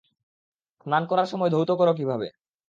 স্নান করার সময় ধৌত করো কীভাবে?